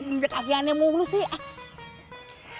ini kagak aneh mulu sih